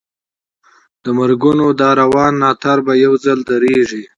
د مرګونو دا روان ناتار به یو ځل درېږي.